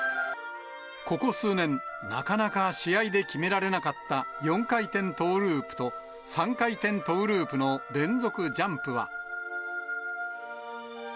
ここ数年、なかなか試合で決められなかった４回転トーループと３回転トーループの連続ジャンプは。